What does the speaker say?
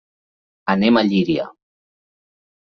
Anem a Llíria.